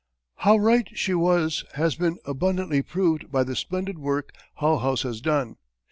How right she was has been abundantly proved by the splendid work Hull House has done.